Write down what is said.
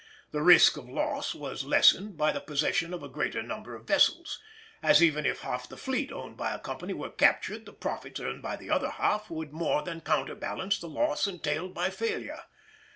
The risk of loss was lessened by the possession of a greater number of vessels, as even if half the fleet owned by a company were captured the profits earned by the other half would more than counterbalance the loss entailed by failure.